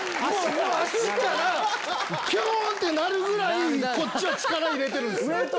脚からピョン！ってなるぐらいこっちは力入れてるんです。